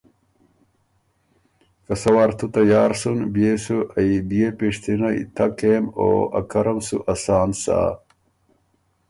که سۀ وار تُو تیار سُن بيې سُو ائ بيې پِشتِنئ تَۀ کېم او ا کرم سُو اسان سۀ۔